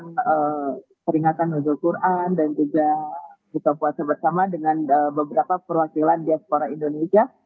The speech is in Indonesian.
melakukan peringatan nuzul quran dan juga buka puasa bersama dengan beberapa perwakilan diaspora indonesia